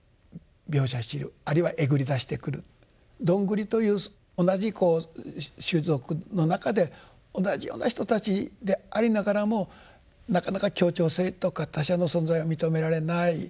どんぐりという同じ種族の中で同じような人たちでありながらもなかなか協調性とか他者の存在を認められない。